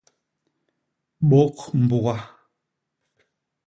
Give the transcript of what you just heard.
Bôk mbuga.